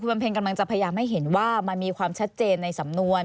บำเพ็ญกำลังจะพยายามให้เห็นว่ามันมีความชัดเจนในสำนวน